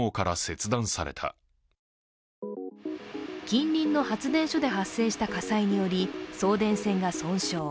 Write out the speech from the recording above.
近隣の発電所で発生した火災により送電線が損傷。